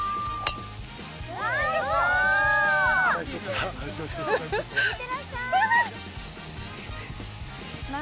いってらっしゃい。